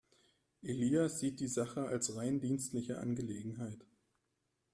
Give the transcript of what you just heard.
Elias sieht die Sache als rein dienstliche Angelegenheit.